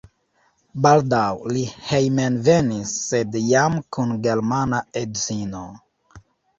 Baldaŭ li hejmenvenis sed jam kun germana edzino.